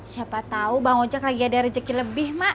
siapa tau bang ocak lagi ada rejeki lebih mak